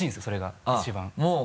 それが一番。